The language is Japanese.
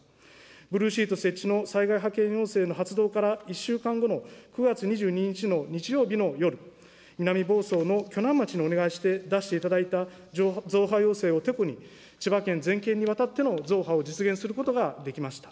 ブルーシート設置の災害派遣要請の発動から１週間後の９月２２日の日曜日の夜、南房総の鋸南町にお願いして出していただいた増派要請をてこに、千葉県全県にわたっての増派を実現することができました。